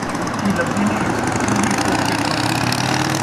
رُکھی لبھدی نئیں ، چُوری کُٹ کے کھاسوں